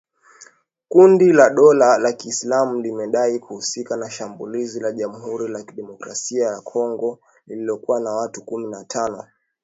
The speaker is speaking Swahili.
Kundi la dola ya Kiislamu limedai kuhusika na shambulizi la Jamuhuri ya Kidemokrasia ya Kongo lililouwa watu kumi na watano